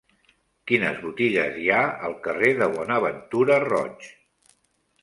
Quines botigues hi ha al carrer de Bonaventura Roig?